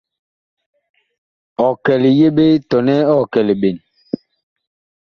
Ɔg kɛ liyeɓe tɔnɛ ɔg kɛ liɓen ?